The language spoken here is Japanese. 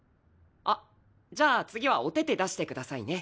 あっじゃあ次はおてて出してくださいね。